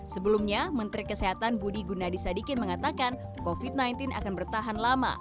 sebelumnya menteri kesehatan budi gunadisadikin mengatakan covid sembilan belas akan bertahan lama